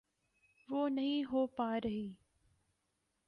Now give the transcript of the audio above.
وہ نہیں ہو پا رہی۔